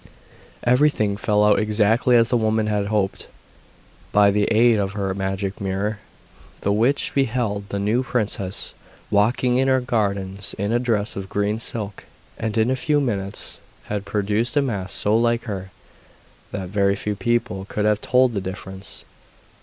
Everything fell out exactly as the woman had hoped. By the aid of her magic mirror the witch beheld the new princess walking in her gardens in a dress of green silk, and in a few minutes had produced a mask so like her, that very few people could have told the difference.